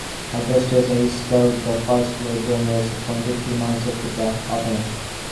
Augustus H. Tulk, the first librarian, was appointed three months after the opening.